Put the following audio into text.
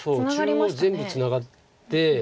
中央全部ツナがって。